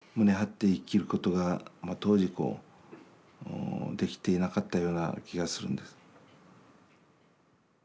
胸張って生きることが当時できていなかったような気がするんです。